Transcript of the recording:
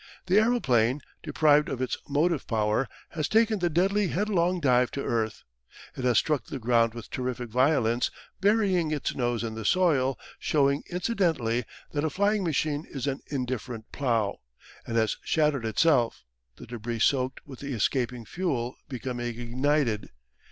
The aeroplane, deprived of its motive power, has taken the deadly headlong dive to earth. It has struck the ground with terrific violence, burying its nose in the soil, showing incidentally that a flying machine is an indifferent plough, and has shattered itself, the debris soaked with the escaping fuel becoming ignited.